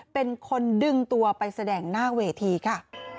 เป็นคนดึงตัวไปแสดงหน้าเวทีค่ะ